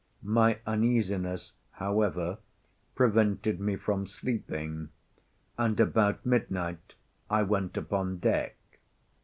My uneasiness, however, prevented me from sleeping, and about midnight I went upon deck.